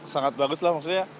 sangat bagus lah maksudnya